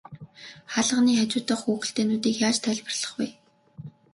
Хаалганы хажуу дахь хүүхэлдэйнүүдийг яаж тайлбарлах вэ?